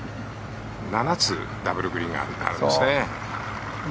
７つ、ダブルグリーンがあるんですね。